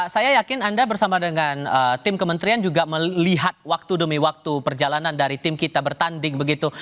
saya yakin anda bersama dengan tim kementerian juga melihat waktu demi waktu perjalanan dari tim kita bertanding begitu